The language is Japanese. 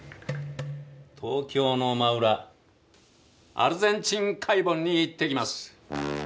東京の真裏アルゼンチン海盆に行ってきます。